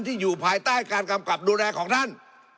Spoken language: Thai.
อยู่ภายใต้การกำกับดูแลของท่าน